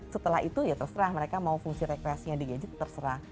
setelah itu ya terserah mereka mau fungsi rekreasinya di gadget terserah